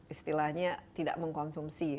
istilahnya tidak mengkonsumsi